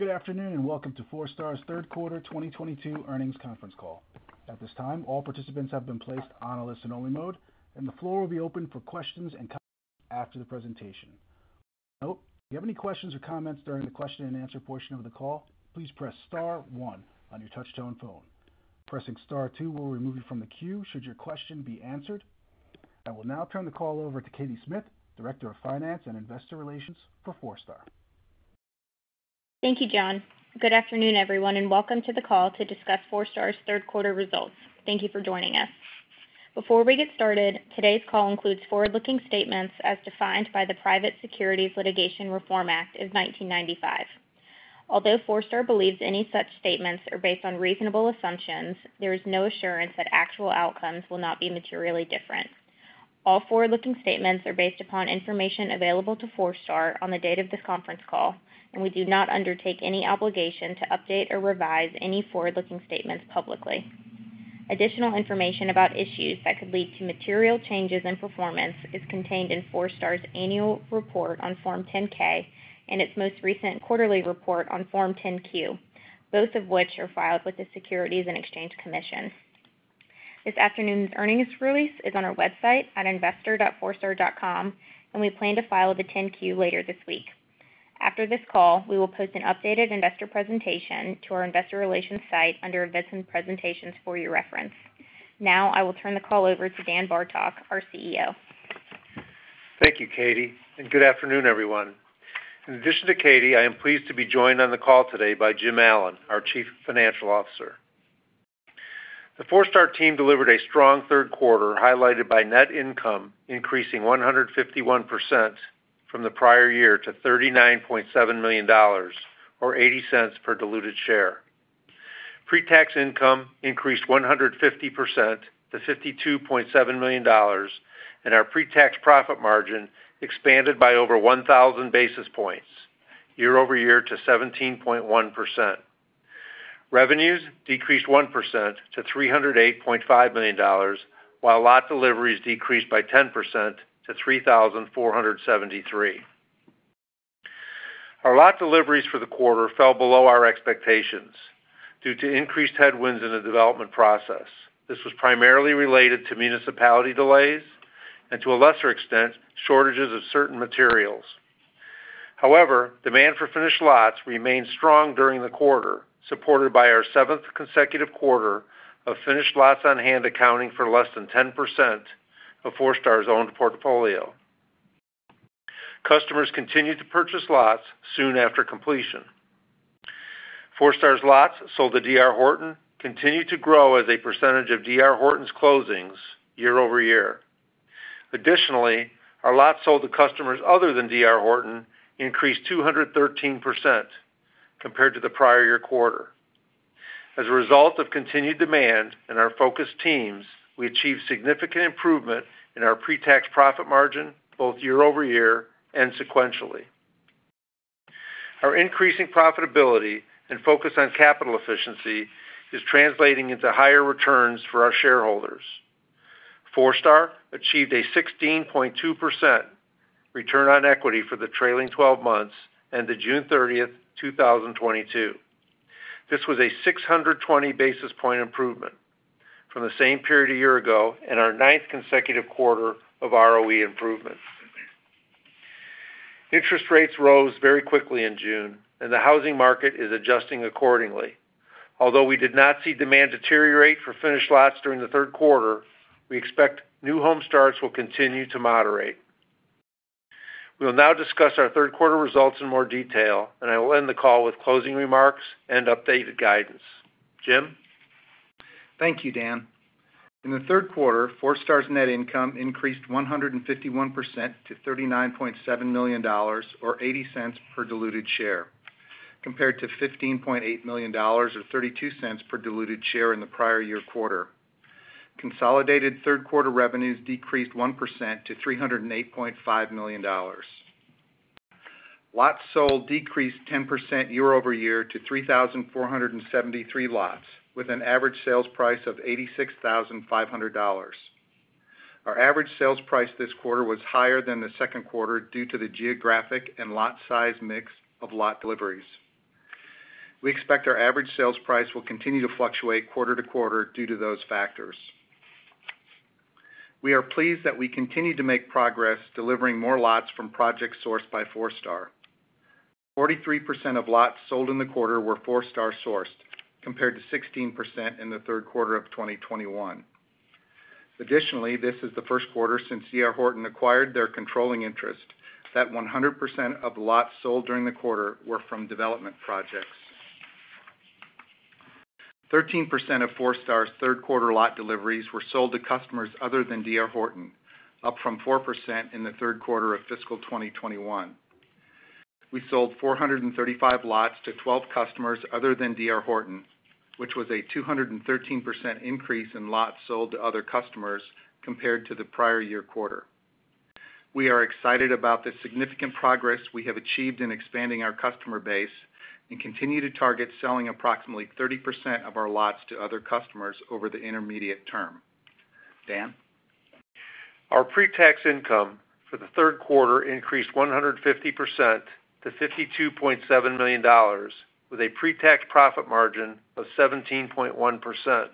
Good afternoon, and welcome to Forestar's third quarter 2022 earnings conference call. At this time, all participants have been placed on a listen-only mode, and the floor will be open for questions and comments after the presentation. One note, if you have any questions or comments during the question-and-answer portion of the call, please press star one on your touchtone phone. Pressing star two will remove you from the queue should your question be answered. I will now turn the call over to Katie Smith, Director of Finance and Investor Relations for Forestar. Thank you, John. Good afternoon, everyone, and welcome to the call to discuss Forestar's third quarter results. Thank you for joining us. Before we get started, today's call includes forward-looking statements as defined by the Private Securities Litigation Reform Act of 1995. Although Forestar believes any such statements are based on reasonable assumptions, there is no assurance that actual outcomes will not be materially different. All forward-looking statements are based upon information available to Forestar on the date of this conference call, and we do not undertake any obligation to update or revise any forward-looking statements publicly. Additional information about issues that could lead to material changes in performance is contained in Forestar's annual report on Form 10-K and its most recent quarterly report on Form 10-Q, both of which are filed with the Securities and Exchange Commission. This afternoon's earnings release is on our website at investor.forestar.com, and we plan to file the 10-Q later this week. After this call, we will post an updated investor presentation to our investor relations site under Investor Presentations for your reference. Now I will turn the call over to Dan Bartok, our CEO. Thank you, Katie, and good afternoon, everyone. In addition to Katie, I am pleased to be joined on the call today by Jim Allen, our Chief Financial Officer. The Forestar team delivered a strong third quarter, highlighted by net income increasing 151% from the prior year to $39.7 million, or $0.80 per diluted share. Pre-tax income increased 150% to $52.7 million, and our pre-tax profit margin expanded by over 1,000 basis points year-over-year to 17.1%. Revenues decreased 1% to $308.5 million, while lot deliveries decreased by 10% to 3,473. Our lot deliveries for the quarter fell below our expectations due to increased headwinds in the development process. This was primarily related to municipality delays and, to a lesser extent, shortages of certain materials. However, demand for finished lots remained strong during the quarter, supported by our seventh consecutive quarter of finished lots on hand, accounting for less than 10% of Forestar's owned portfolio. Customers continued to purchase lots soon after completion. Forestar's lots sold to D.R. Horton continued to grow as a percentage of D.R. Horton's closings year-over-year. Additionally, our lots sold to customers other than D.R. Horton increased 213% compared to the prior year quarter. As a result of continued demand and our focused teams, we achieved significant improvement in our pre-tax profit margin both year-over-year and sequentially. Our increasing profitability and focus on capital efficiency is translating into higher returns for our shareholders. Forestar achieved a 16.2% return on equity for the trailing 12 months and the June 30th, 2022. This was a 620 basis point improvement from the same period a year ago and our ninth consecutive quarter of ROE improvement. Interest rates rose very quickly in June, and the housing market is adjusting accordingly. Although we did not see demand deteriorate for finished lots during the third quarter, we expect new home starts will continue to moderate. We'll now discuss our third quarter results in more detail, and I will end the call with closing remarks and updated guidance. Jim? Thank you, Dan. In the third quarter, Forestar's net income increased 151% to $39.7 million or $0.80 per diluted share, compared to $15.8 million or $0.32 per diluted share in the prior year quarter. Consolidated third-quarter revenues decreased 1% to $308.5 million. Lots sold decreased 10% year-over-year to 3,473 lots, with an average sales price of $86,500. Our average sales price this quarter was higher than the second quarter due to the geographic and lot size mix of lot deliveries. We expect our average sales price will continue to fluctuate quarter-to-quarter due to those factors. We are pleased that we continue to make progress delivering more lots from projects sourced by Forestar. 43% of lots sold in the quarter were Forestar-sourced, compared to 16% in the third quarter of 2021. Additionally, this is the first quarter since D.R. Horton acquired their controlling interest that 100% of lots sold during the quarter were from development projects. 13% of Forestar's third-quarter lot deliveries were sold to customers other than D.R. Horton, up from 4% in the third quarter of fiscal 2021. We sold 435 lots to 12 customers other than D.R. Horton, which was a 213% increase in lots sold to other customers compared to the prior year quarter. We are excited about the significant progress we have achieved in expanding our customer base and continue to target selling approximately 30% of our lots to other customers over the intermediate term. Dan? Our pretax income for the third quarter increased 150% to $52.7 million with a pretax profit margin of 17.1%.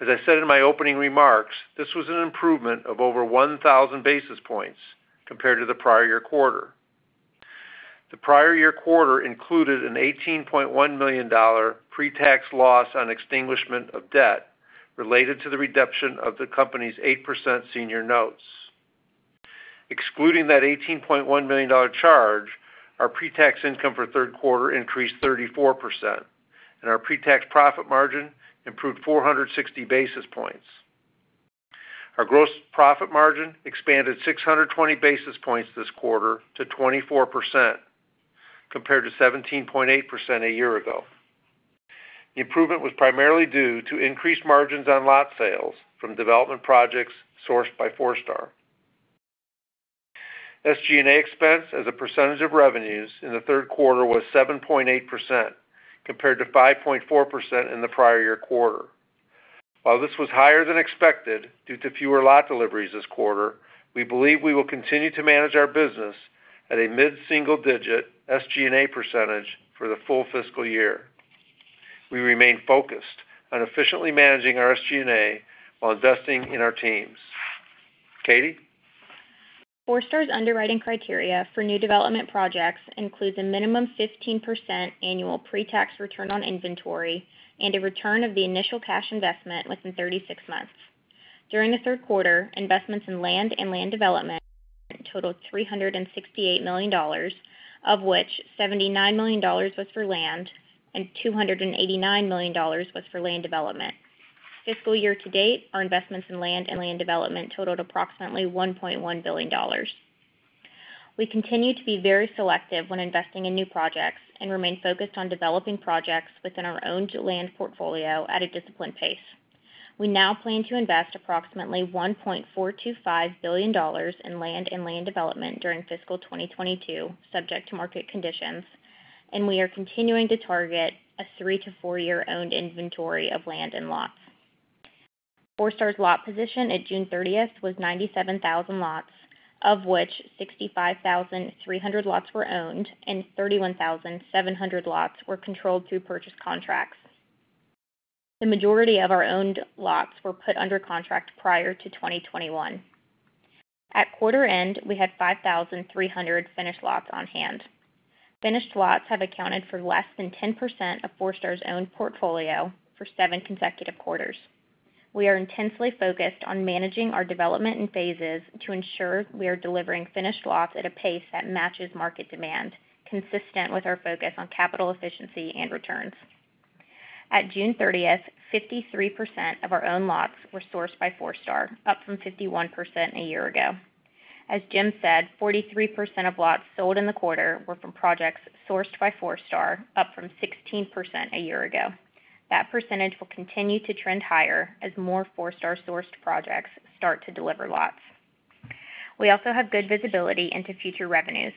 As I said in my opening remarks, this was an improvement of over 1,000 basis points compared to the prior year quarter. The prior year quarter included an $18.1 million pretax loss on extinguishment of debt related to the redemption of the company's 8% senior notes. Excluding that $18.1 million charge, our pretax income for third quarter increased 34% and our pretax profit margin improved 460 basis points. Our gross profit margin expanded 620 basis points this quarter to 24% compared to 17.8% a year ago. The improvement was primarily due to increased margins on lot sales from development projects sourced by Forestar. SG&A expense as a percentage of revenues in the third quarter was 7.8% compared to 5.4% in the prior year quarter. While this was higher than expected due to fewer lot deliveries this quarter, we believe we will continue to manage our business at a mid-single digit SG&A percentage for the full fiscal year. We remain focused on efficiently managing our SG&A while investing in our teams. Katie? Forestar's underwriting criteria for new development projects includes a minimum 15% annual pre-tax return on inventory and a return of the initial cash investment within 36 months. During the third quarter, investments in land and land development totaled $368 million, of which $79 million was for land and $289 million was for land development. Fiscal year to date, our investments in land and land development totaled approximately $1.1 billion. We continue to be very selective when investing in new projects and remain focused on developing projects within our own land portfolio at a disciplined pace. We now plan to invest approximately $1.425 billion in land and land development during fiscal 2022, subject to market conditions, and we are continuing to target a three to four-year owned inventory of land and lots. Forestar's lot position at June 30th was 97,000 lots, of which 65,300 lots were owned and 31,700 lots were controlled through purchase contracts. The majority of our owned lots were put under contract prior to 2021. At quarter end, we had 5,300 finished lots on hand. Finished lots have accounted for less than 10% of Forestar's owned portfolio for seven consecutive quarters. We are intensely focused on managing our development in phases to ensure we are delivering finished lots at a pace that matches market demand, consistent with our focus on capital efficiency and returns. At June 30th, 53% of our owned lots were sourced by Forestar, up from 51% a year ago. As Jim said, 43% of lots sold in the quarter were from projects sourced by Forestar, up from 16% a year ago. That percentage will continue to trend higher as more Forestar-sourced projects start to deliver lots. We also have good visibility into future revenues.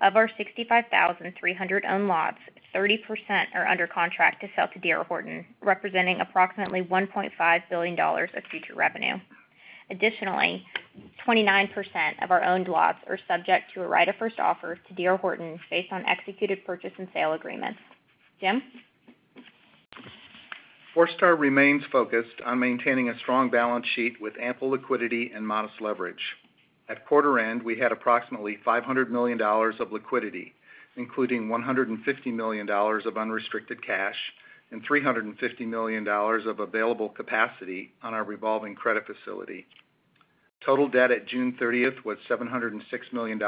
Of our 65,300 owned lots, 30% are under contract to sell to D.R. Horton, representing approximately $1.5 billion of future revenue. Additionally, 29% of our owned lots are subject to a right of first offer to D.R. Horton based on executed purchase and sale agreements. Jim? Forestar remains focused on maintaining a strong balance sheet with ample liquidity and modest leverage. At quarter end, we had approximately $500 million of liquidity, including $150 million of unrestricted cash and $350 million of available capacity on our revolving credit facility. Total debt at June 30th was $706 million,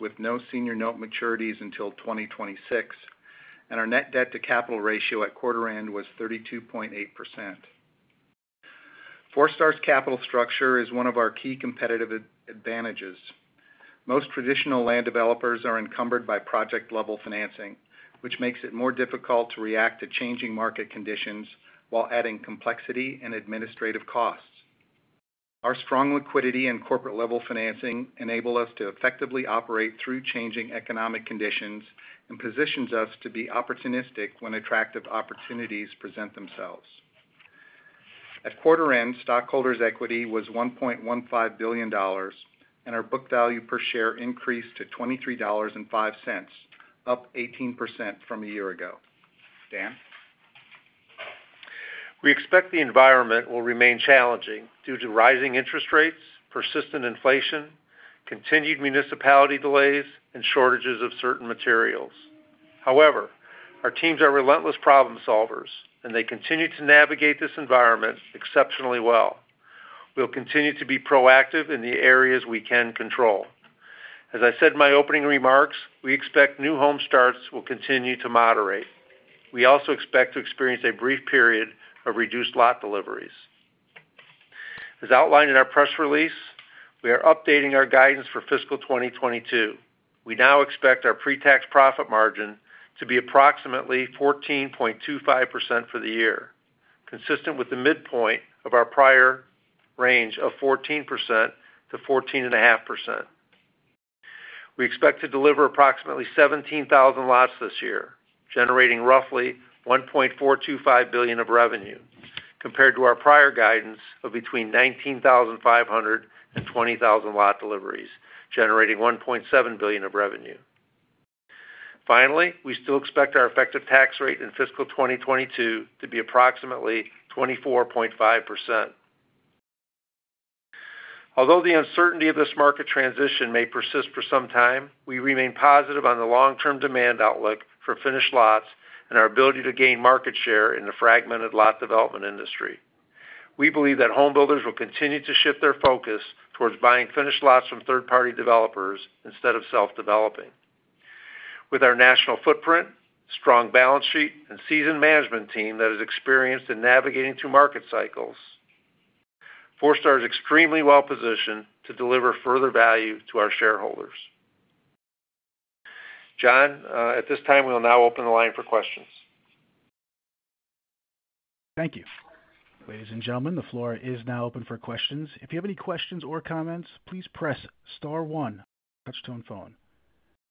with no senior note maturities until 2026, and our net debt to capital ratio at quarter end was 32.8%. Forestar's capital structure is one of our key competitive advantages. Most traditional land developers are encumbered by project-level financing, which makes it more difficult to react to changing market conditions while adding complexity and administrative costs. Our strong liquidity and corporate-level financing enable us to effectively operate through changing economic conditions and positions us to be opportunistic when attractive opportunities present themselves. At quarter end, stockholders' equity was $1.15 billion, and our book value per share increased to $23.05, up 18% from a year ago. Dan? We expect the environment will remain challenging due to rising interest rates, persistent inflation, continued municipality delays, and shortages of certain materials. However, our teams are relentless problem solvers, and they continue to navigate this environment exceptionally well. We'll continue to be proactive in the areas we can control. As I said in my opening remarks, we expect new home starts will continue to moderate. We also expect to experience a brief period of reduced lot deliveries. As outlined in our press release, we are updating our guidance for fiscal 2022. We now expect our pre-tax profit margin to be approximately 14.25% for the year, consistent with the midpoint of our prior range of 14% to 14.5%. We expect to deliver approximately 17,000 lots this year, generating roughly $1.425 billion of revenue compared to our prior guidance of between 19,500 and 20,000 lot deliveries, generating $1.7 billion of revenue. Finally, we still expect our effective tax rate in fiscal 2022 to be approximately 24.5%. Although the uncertainty of this market transition may persist for some time, we remain positive on the long-term demand outlook for finished lots and our ability to gain market share in the fragmented lot development industry. We believe that home builders will continue to shift their focus towards buying finished lots from third-party developers instead of self-developing. With our national footprint, strong balance sheet, and seasoned management team that is experienced in navigating through market cycles, Forestar is extremely well-positioned to deliver further value to our shareholders. John, at this time, we will now open the line for questions. Thank you. Ladies and gentlemen, the floor is now open for questions. If you have any questions or comments, please press star one on your touchtone phone.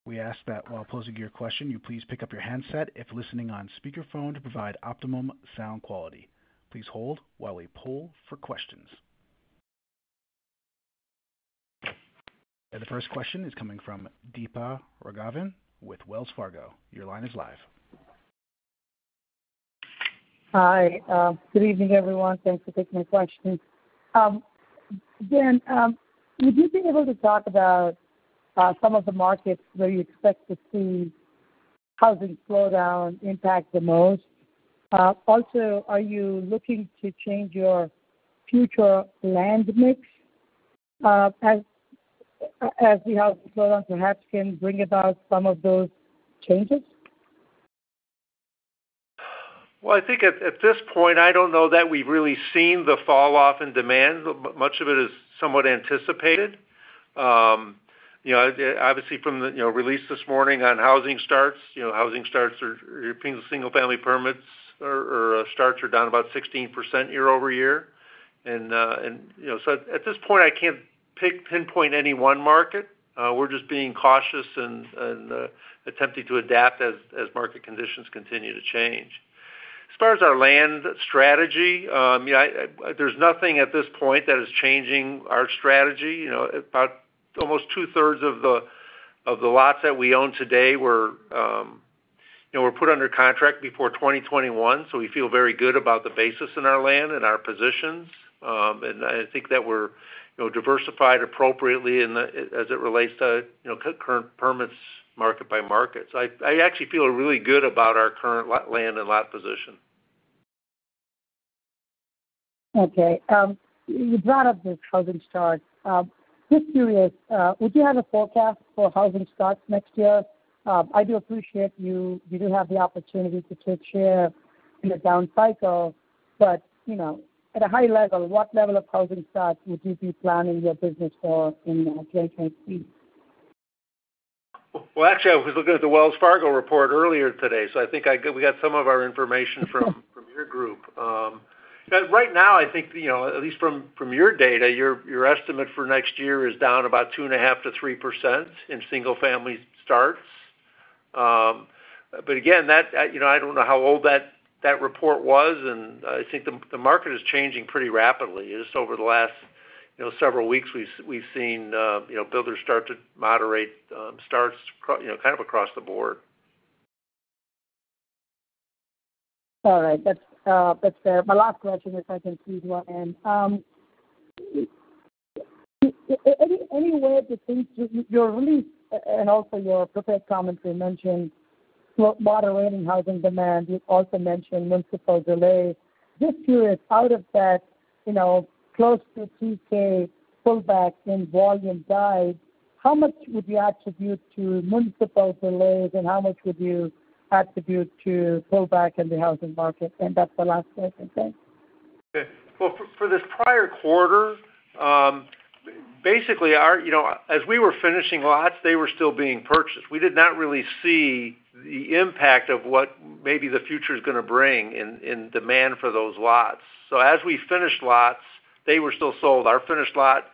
We ask that while posing your question, you please pick up your handset if listening on speaker phone to provide optimum sound quality. Please hold while we poll for questions. The first question is coming from Deepa Raghavan with Wells Fargo. Your line is live. Hi. Good evening, everyone. Thanks for taking my questions. Dan, would you be able to talk about some of the markets where you expect to see housing slowdown impact the most? Also, are you looking to change your future land mix, as we have slowed down, perhaps can bring about some of those changes? Well, I think at this point, I don't know that we've really seen the falloff in demand. Much of it is somewhat anticipated. You know, obviously from the release this morning on housing starts, single-family permits or starts are down about 16% year-over-year. At this point, I can't pinpoint any one market. We're just being cautious and attempting to adapt as market conditions continue to change. As far as our land strategy, there's nothing at this point that is changing our strategy. You know, about almost 2/3 of the lots that we own today were put under contract before 2021, so we feel very good about the basis in our land and our positions. I think that we're, you know, diversified appropriately as it relates to, you know, current permits market by market. I actually feel really good about our current land and lot position. Okay. You brought up the housing starts. Just curious, would you have a forecast for housing starts next year? I do appreciate you do have the opportunity to take share in a down cycle, but you know, at a high level, what level of housing starts would you be planning your business for in 2023? Well, actually, I was looking at the Wells Fargo report earlier today, so I think we got some of our information from your group. Right now, I think, you know, at least from your data, your estimate for next year is down about 2.5%-3% in single-family starts. Again, you know, I don't know how old that report was, and I think the market is changing pretty rapidly. Just over the last, you know, several weeks, we've seen, you know, builders start to moderate starts you know, kind of across the board. All right. That's fair. My last question, if I can squeeze one in. Any way to think. Your release and also your prepared commentary mentioned moderating housing demand. You also mentioned municipal delays. Just curious, out of that, you know, close to 2,000 pullback in volume guide, how much would you attribute to municipal delays, and how much would you attribute to pullback in the housing market? That's the last question. Thanks. Well, for this prior quarter, basically you know, as we were finishing lots, they were still being purchased. We did not really see the impact of what maybe the future's gonna bring in demand for those lots. As we finished lots, they were still sold. Our finished lot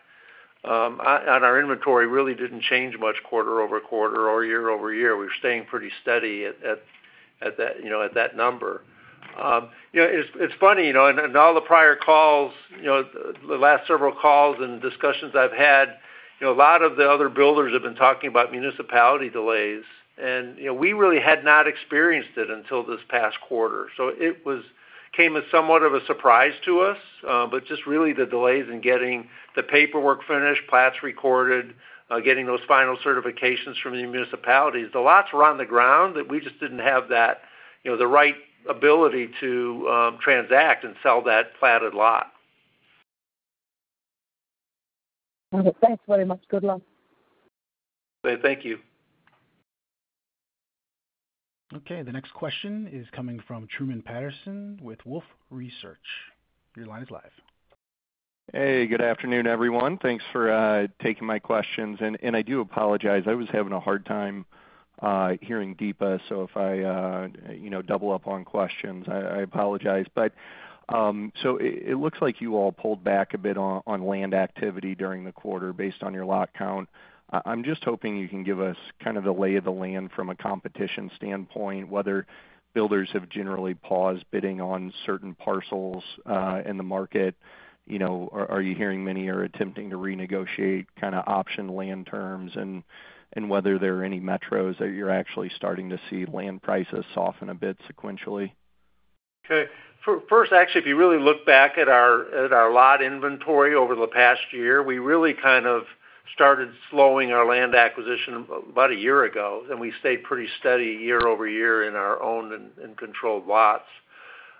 on our inventory really didn't change much quarter-over-quarter or year-over-year. We're staying pretty steady at that you know, at that number. You know, it's funny you know, and in all the prior calls you know, the last several calls and discussions I've had you know, a lot of the other builders have been talking about municipality delays, and you know, we really had not experienced it until this past quarter. It was came as somewhat of a surprise to us, but just really the delays in getting the paperwork finished, plats recorded, getting those final certifications from the municipalities. The lots were on the ground, but we just didn't have that, you know, the right ability to transact and sell that platted lot. Okay. Thanks very much. Good luck. Okay. Thank you. Okay. The next question is coming from Truman Patterson with Wolfe Research. Your line is live. Hey, good afternoon, everyone. Thanks for taking my questions. I do apologize. I was having a hard time hearing Deepa. If I you know double up on questions, I apologize. It looks like you all pulled back a bit on land activity during the quarter based on your lot count. I'm just hoping you can give us kind of the lay of the land from a competition standpoint, whether builders have generally paused bidding on certain parcels in the market. You know, are you hearing many are attempting to renegotiate kind of option land terms? Whether there are any metros that you're actually starting to see land prices soften a bit sequentially. First, actually, if you really look back at our lot inventory over the past year, we really kind of started slowing our land acquisition about a year ago, and we stayed pretty steady year-over-year in our owned and controlled lots.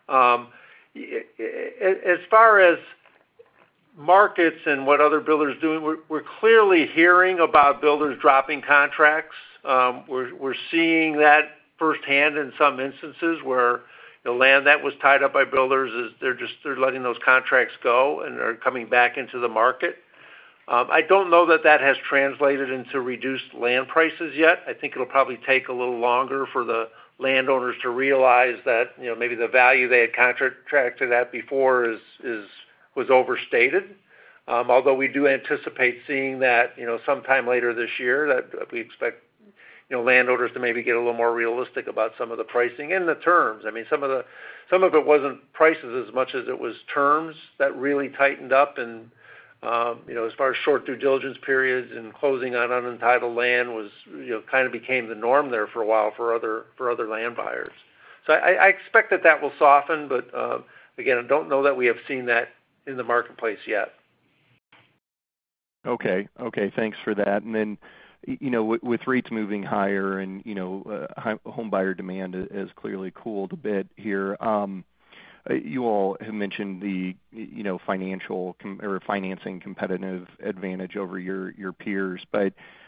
As far as markets and what other builders are doing, we're clearly hearing about builders dropping contracts. We're seeing that firsthand in some instances where the land that was tied up by builders, they're just letting those contracts go and are coming back into the market. I don't know that has translated into reduced land prices yet. I think it'll probably take a little longer for the landowners to realize that, you know, maybe the value they had contracted at before was overstated. Although we do anticipate seeing that, you know, sometime later this year, that we expect, you know, landowners to maybe get a little more realistic about some of the pricing and the terms. I mean, some of it wasn't prices as much as it was terms that really tightened up. You know, as far as short due diligence periods and closing on untitled land was, you know, kind of became the norm there for a while for other land buyers. I expect that will soften, but, again, I don't know that we have seen that in the marketplace yet. Okay. Okay, thanks for that. You know, with rates moving higher and, you know, home buyer demand has clearly cooled a bit here. You all have mentioned the, you know, financing competitive advantage over your peers.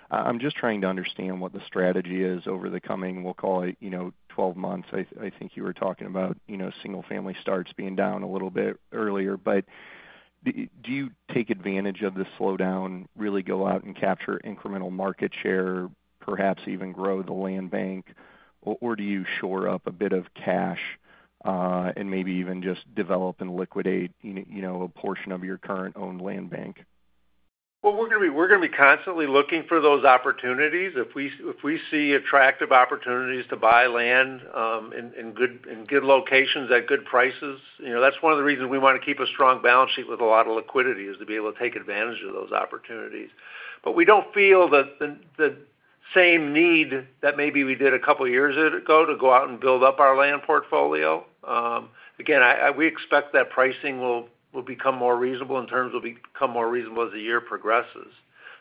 I'm just trying to understand what the strategy is over the coming, we'll call it, you know, 12 months. I think you were talking about, you know, single-family starts being down a little bit earlier. Do you take advantage of the slowdown, really go out and capture incremental market share, perhaps even grow the land bank, or do you shore up a bit of cash, and maybe even just develop and liquidate, you know, a portion of your current owned land bank? Well, we're gonna be constantly looking for those opportunities. If we see attractive opportunities to buy land in good locations at good prices, you know, that's one of the reasons we wanna keep a strong balance sheet with a lot of liquidity, is to be able to take advantage of those opportunities. We don't feel that the same need that maybe we did a couple of years ago to go out and build up our land portfolio. Again, we expect that pricing will become more reasonable and terms will become more reasonable as the year progresses.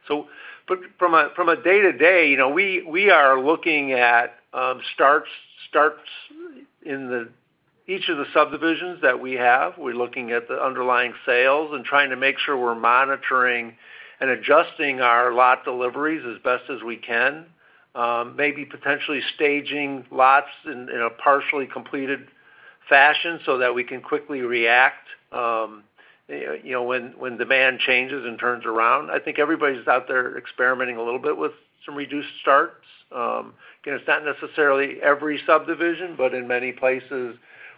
From a day-to-day, you know, we are looking at starts in each of the subdivisions that we have. We're looking at the underlying sales and trying to make sure we're monitoring and adjusting our lot deliveries as best as we can, maybe potentially staging lots in a partially completed fashion so that we can quickly react, you know, when demand changes and turns around. I think everybody's out there experimenting a little bit with some reduced starts. Again, it's not necessarily every subdivision, but in many places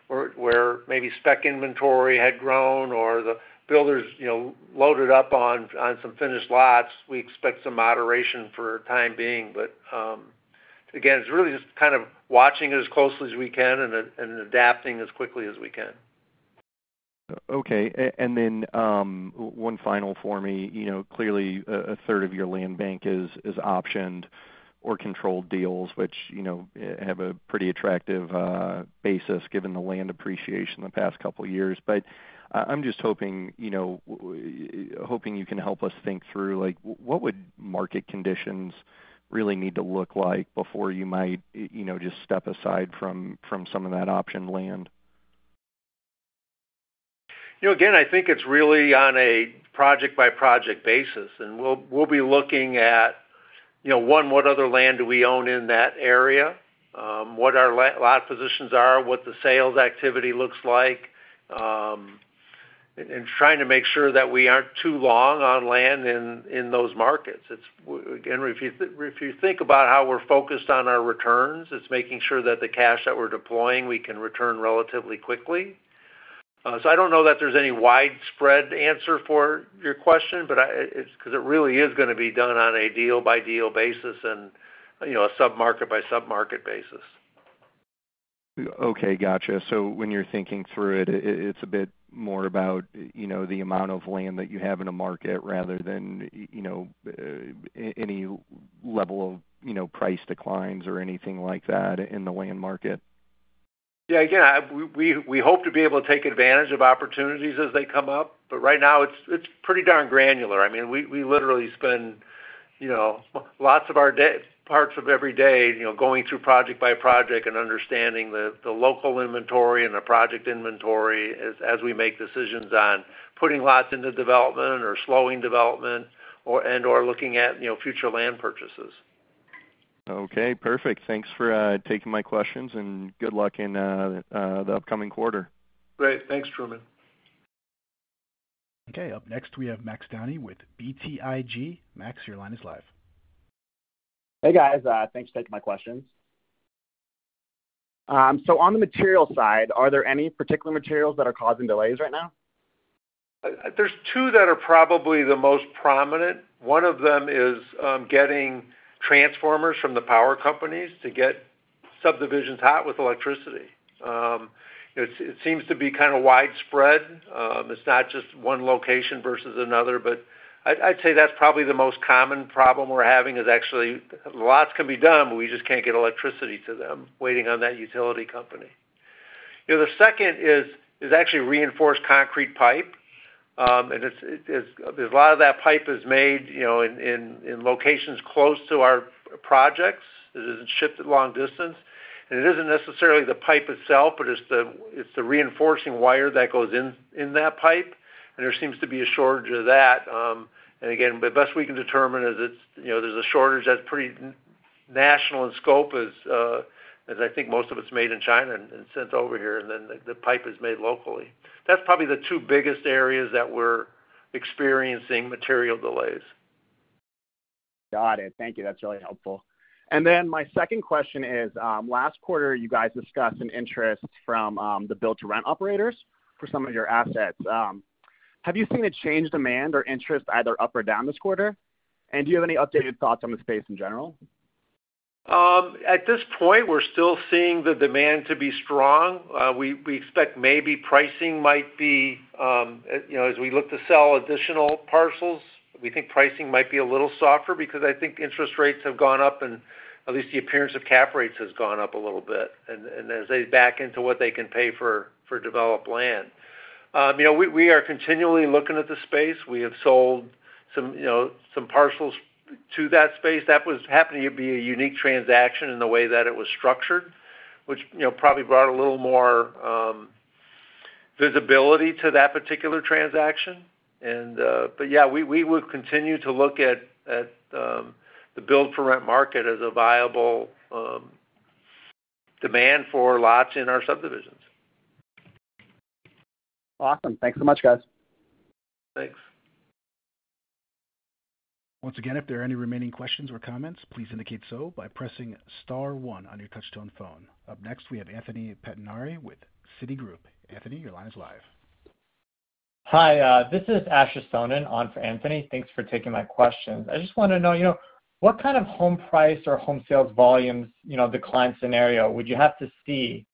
where maybe spec inventory had grown or the builders, you know, loaded up on some finished lots, we expect some moderation for the time being. Again, it's really just kind of watching it as closely as we can and adapting as quickly as we can. Okay. Then one final for me. You know, clearly a third of your land bank is optioned or controlled deals, which, you know, have a pretty attractive basis given the land appreciation in the past couple of years. I'm just hoping you can help us think through, like, what would market conditions really need to look like before you might, you know, just step aside from some of that optioned land? You know, again, I think it's really on a project-by-project basis, and we'll be looking at, you know, one, what other land do we own in that area, what our lot positions are, what the sales activity looks like, and trying to make sure that we aren't too long on land in those markets. It's, again, if you think about how we're focused on our returns, it's making sure that the cash that we're deploying, we can return relatively quickly. So I don't know that there's any widespread answer for your question, but because it really is gonna be done on a deal-by-deal basis and, you know, a sub-market-by-sub-market basis. Okay, gotcha. When you're thinking through it's a bit more about, you know, the amount of land that you have in a market rather than, you know, any level of, you know, price declines or anything like that in the land market. Yeah. Again, we hope to be able to take advantage of opportunities as they come up, but right now it's pretty darn granular. I mean, we literally spend, you know, lots of our day, parts of every day, you know, going through project by project and understanding the local inventory and the project inventory as we make decisions on putting lots into development or slowing development and/or looking at, you know, future land purchases. Okay, perfect. Thanks for taking my questions, and good luck in the upcoming quarter. Great. Thanks, Truman. Okay, up next, we have Max Downey with BTIG. Max, your line is live. Hey, guys. Thanks for taking my questions. On the material side, are there any particular materials that are causing delays right now? There's two that are probably the most prominent. One of them is getting transformers from the power companies to get subdivisions hot with electricity. You know, it seems to be kinda widespread. It's not just one location versus another, but I'd say that's probably the most common problem we're having is actually lots can be done, but we just can't get electricity to them, waiting on that utility company. You know, the second is actually reinforced concrete pipe, and it's. There's a lot of that pipe is made, you know, in locations close to our projects. It isn't shipped at long distance. It isn't necessarily the pipe itself, but it's the reinforcing wire that goes in that pipe, and there seems to be a shortage of that. Again, the best we can determine is it's, you know, there's a shortage that's pretty national in scope, as I think most of it's made in China and sent over here, and then the pipe is made locally. That's probably the two biggest areas that we're experiencing material delays. Got it. Thank you. That's really helpful. My second question is, last quarter, you guys discussed an interest from the build-to-rent operators for some of your assets. Have you seen a change in demand or interest either up or down this quarter? Do you have any updated thoughts on the space in general? At this point, we're still seeing the demand to be strong. We expect maybe pricing might be, you know, as we look to sell additional parcels, we think pricing might be a little softer because I think interest rates have gone up and at least the appearance of cap rates has gone up a little bit and as they back into what they can pay for developed land. You know, we are continually looking at the space. We have sold some, you know, some parcels to that space. That was happening to be a unique transaction in the way that it was structured, which, you know, probably brought a little more visibility to that particular transaction. Yeah, we would continue to look at the build-for-rent market as a viable demand for lots in our subdivisions. Awesome. Thanks so much, guys. Thanks. Once again, if there are any remaining questions or comments, please indicate so by pressing star one on your touchtone phone. Up next, we have Anthony Pettinari with Citigroup. Anthony, your line is live. Hi, this is Asher Sohnen on for Anthony. Thanks for taking my questions. I just wanna know, you know, what kind of home price or home sales volumes, you know, decline scenario would you have to see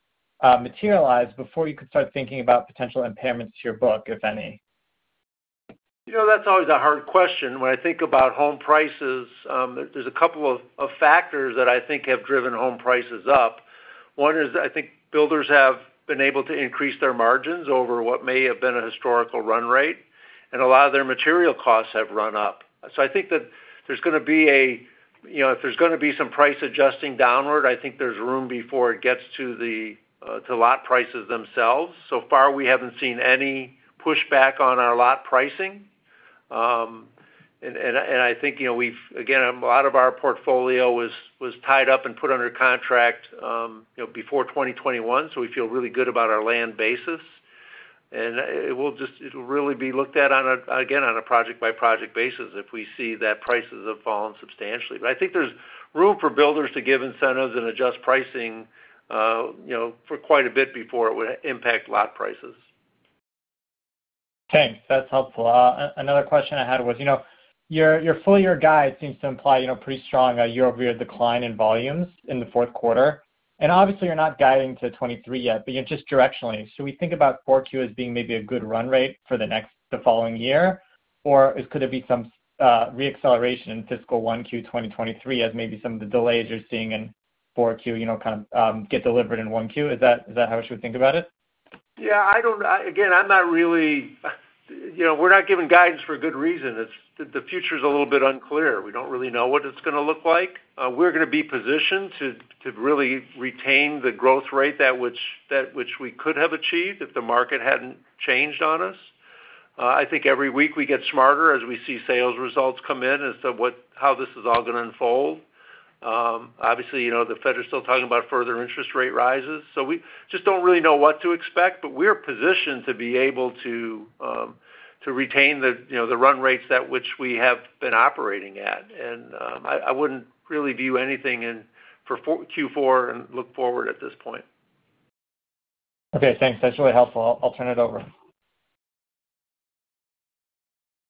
materialize before you could start thinking about potential impairments to your book, if any? You know, that's always a hard question. When I think about home prices, there's a couple of factors that I think have driven home prices up. One is I think builders have been able to increase their margins over what may have been a historical run rate, and a lot of their material costs have run up. I think, you know, if there's gonna be some price adjusting downward, there's room before it gets to the lot prices themselves. So far we haven't seen any pushback on our lot pricing. I think, you know, again, a lot of our portfolio was tied up and put under contract, you know, before 2021, so we feel really good about our land basis. It'll really be looked at on a, again, on a project-by-project basis if we see that prices have fallen substantially. I think there's room for builders to give incentives and adjust pricing, you know, for quite a bit before it would impact lot prices. Thanks. That's helpful. Another question I had was, you know, your full year guide seems to imply, you know, pretty strong year-over-year decline in volumes in the fourth quarter. Obviously, you're not guiding to 2023 yet, but, you know, just directionally. Should we think about 4Q as being maybe a good run rate for the next—the following year? Or could it be some re-acceleration in fiscal 1Q 2023 as maybe some of the delays you're seeing in 4Q, you know, kind of get delivered in 1Q? Is that how we should think about it? Yeah, again, I'm not really you know, we're not giving guidance for a good reason. It's the future's a little bit unclear. We don't really know what it's gonna look like. We're gonna be positioned to really retain the growth rate that which we could have achieved if the market hadn't changed on us. I think every week we get smarter as we see sales results come in as to how this is all gonna unfold. Obviously, you know, The Fed are still talking about further interest rate rises. We just don't really know what to expect, but we're positioned to be able to retain the run rates that which we have been operating at. I wouldn't really view anything in Q4 and look forward at this point. Okay, thanks. That's really helpful. I'll turn it over.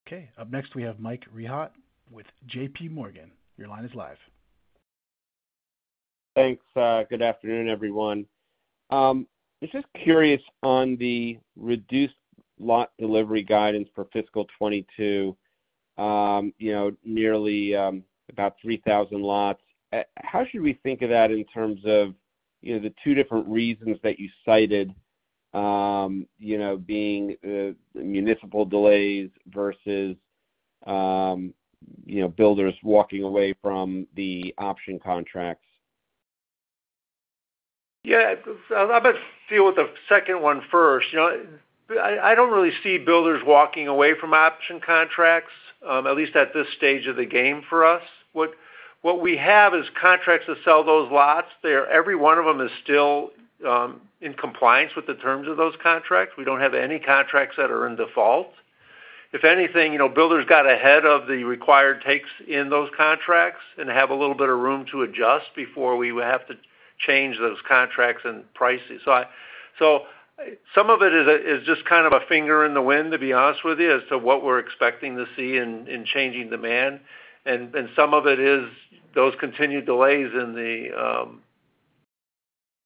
Okay, up next we have Mike Rehaut with JPMorgan. Your line is live. Thanks. Good afternoon, everyone. I'm just curious on the reduced lot delivery guidance for fiscal 2022, you know, nearly about 3,000 lots. How should we think of that in terms of, you know, the two different reasons that you cited, you know, being municipal delays versus, you know, builders walking away from the option contracts? Yeah. I'll just deal with the second one first. You know, I don't really see builders walking away from option contracts, at least at this stage of the game for us. What we have is contracts that sell those lots. Every one of them is still in compliance with the terms of those contracts. We don't have any contracts that are in default. If anything, you know, builders got ahead of the required takes in those contracts and have a little bit of room to adjust before we would have to change those contracts and prices. Some of it is just kind of a finger in the wind, to be honest with you, as to what we're expecting to see in changing demand. Some of it is those continued delays in the,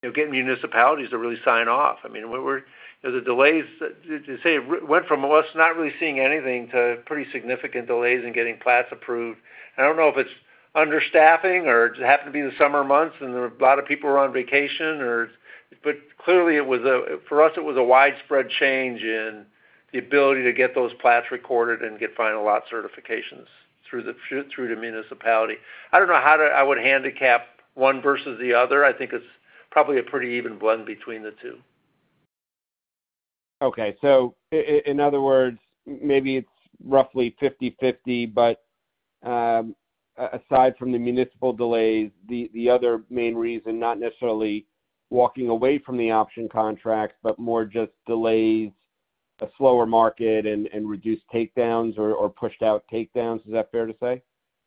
you know, getting municipalities to really sign off. I mean, the delays, say, went from us not really seeing anything to pretty significant delays in getting plats approved. I don't know if it's understaffing or it happened to be the summer months, and there were a lot of people on vacation. Clearly, for us, it was a widespread change in the ability to get those plats recorded and get final lot certifications through the municipality. I don't know how to handicap one versus the other. I think it's probably a pretty even blend between the two. In other words, maybe it's roughly 50/50, but aside from the municipal delays, the other main reason, not necessarily walking away from the option contract, but more just delays, a slower market and reduced takedowns or pushed out takedowns. Is that fair to say?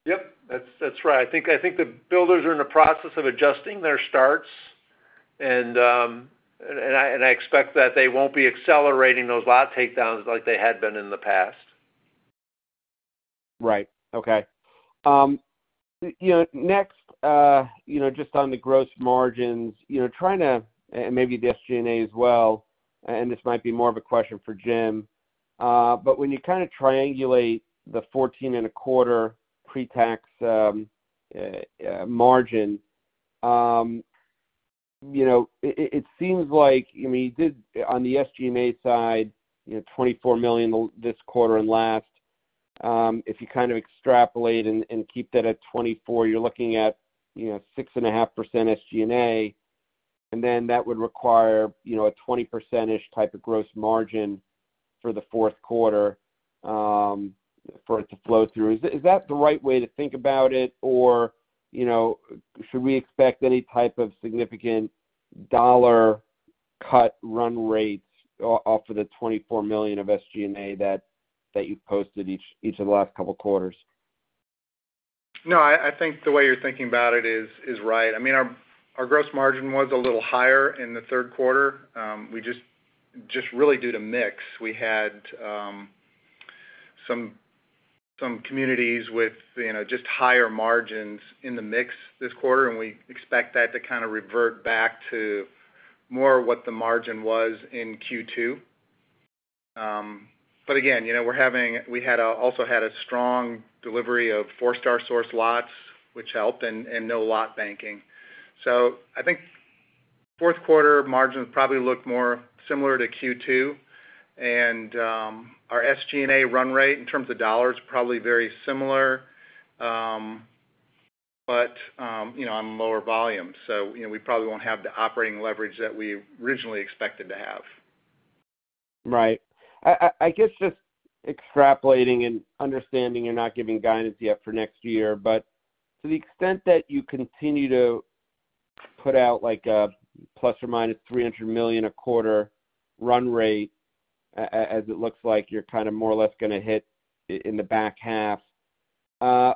Yep, that's right. I think the builders are in the process of adjusting their starts, and I expect that they won't be accelerating those lot takedowns like they had been in the past. Right. Okay. You know, next, you know, just on the gross margins, you know, trying to, and maybe the SG&A as well, and this might be more of a question for Jim. When you kinda triangulate the 14.25 pretax margin, you know, it seems like, I mean, you did on the SG&A side, you know, $24 million this quarter and last. If you kind of extrapolate and keep that at $24 million, you're looking at, you know, 6.5% SG&A, and then that would require, you know, a 20%-ish type of gross margin for the fourth quarter, for it to flow through. Is that the right way to think about it? You know, should we expect any type of significant dollar cuts to run rates off of the $24 million of SG&A that you've posted each of the last couple quarters? No, I think the way you're thinking about it is right. I mean, our gross margin was a little higher in the third quarter. We just really due to mix. We had some communities with, you know, just higher margins in the mix this quarter, and we expect that to kind of revert back to more what the margin was in Q2. But again, you know, we also had a strong delivery of Forestar sourced lots, which helped, and no lot banking. So I think fourth quarter margins probably look more similar to Q2. Our SG&A run rate in terms of dollars, probably very similar, but you know, on lower volume. So, you know, we probably won't have the operating leverage that we originally expected to have. Right. I guess just extrapolating and understanding you're not giving guidance yet for next year, but to the extent that you continue to put out like a ±$300 million a quarter run rate, as it looks like you're kind of more or less gonna hit in the back half,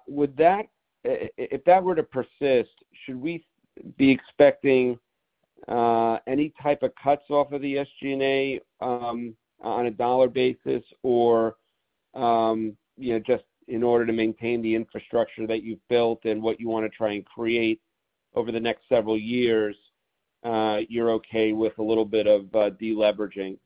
would that. If that were to persist, should we be expecting any type of cuts off of the SG&A on a dollar basis? Or, you know, just in order to maintain the infrastructure that you've built and what you wanna try and create over the next several years, you're okay with a little bit of de-leveraging?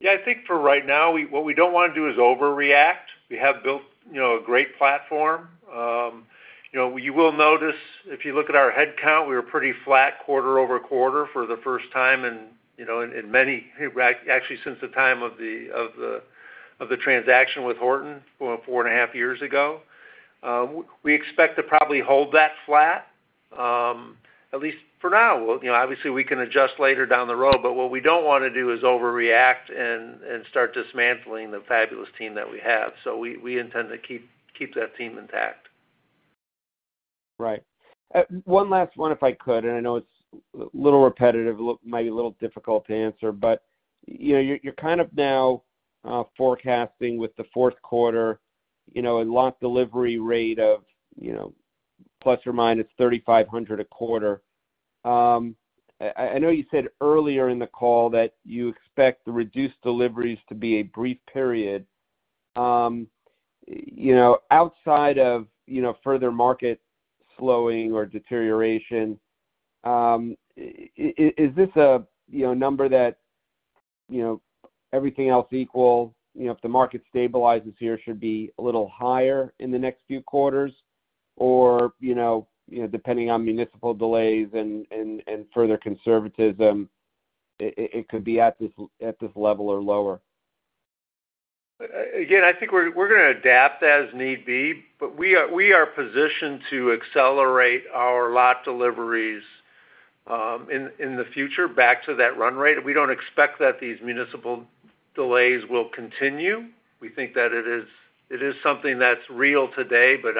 Yeah, I think for right now, what we don't wanna do is overreact. We have built, you know, a great platform. You know, you will notice if you look at our headcount, we were pretty flat quarter-over-quarter for the first time in, you know, actually since the time of the transaction with Horton four and a half years ago. We expect to probably hold that flat, at least for now. You know, obviously we can adjust later down the road, but what we don't wanna do is overreact and start dismantling the fabulous team that we have. We intend to keep that team intact. Right. One last one if I could, and I know it's a little repetitive, look maybe a little difficult to answer. You know, you're kind of now forecasting with the fourth quarter, you know, a lot delivery rate of, you know, ±3,500 a quarter. I know you said earlier in the call that you expect the reduced deliveries to be a brief period. You know, outside of, you know, further market slowing or deterioration, is this a, you know, number that, you know, everything else equal, you know, if the market stabilizes here, should be a little higher in the next few quarters? Or, you know, depending on municipal delays and further conservatism, it could be at this level or lower. Again, I think we're gonna adapt as need be, but we are positioned to accelerate our lot deliveries, in the future back to that run rate. We don't expect that these municipal delays will continue. We think that it is something that's real today, but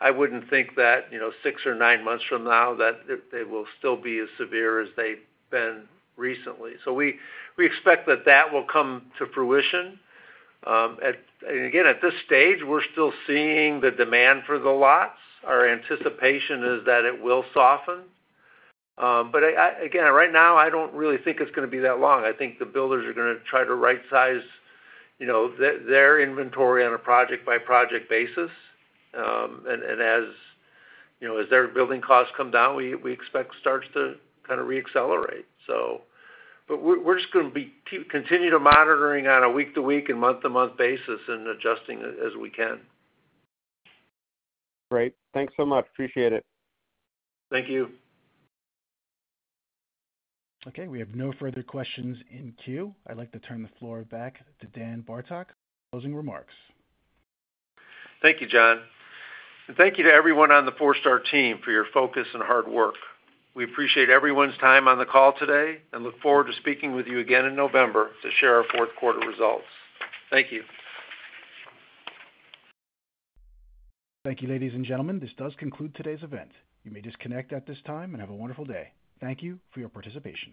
I wouldn't think that, you know, six or nine months from now that they will still be as severe as they've been recently. We expect that will come to fruition. Again, at this stage, we're still seeing the demand for the lots. Our anticipation is that it will soften. Again, right now, I don't really think it's gonna be that long. I think the builders are gonna try to right-size, you know, their inventory on a project-by-project basis. As you know, as their building costs come down, we expect starts to kind of re-accelerate. We're just gonna keep continuing to monitor on a week-to-week and month-to-month basis and adjusting as we can. Great. Thanks so much. Appreciate it. Thank you. Okay, we have no further questions in queue. I'd like to turn the floor back to Dan Bartok for closing remarks. Thank you, John. Thank you to everyone on the Forestar team for your focus and hard work. We appreciate everyone's time on the call today and look forward to speaking with you again in November to share our fourth quarter results. Thank you. Thank you, ladies and gentlemen. This does conclude today's event. You may disconnect at this time, and have a wonderful day. Thank you for your participation.